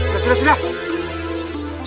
sudah sudah sudah